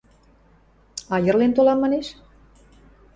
Айырлен толам, манеш?